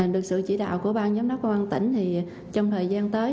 được sự chỉ đạo của bang giám đốc công an tỉnh thì trong thời gian tới